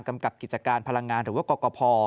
กับกิจการพลังงานหรือว่ากรกภ